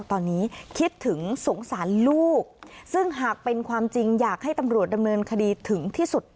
ตอนนี้คิดถึงสงสารลูกซึ่งหากเป็นความจริงอยากให้ตำรวจดำเนินคดีถึงที่สุด